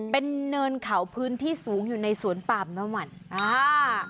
เป็นเนินเขาพื้นที่สูงอยู่ในสวนปามน้ำมันอ่า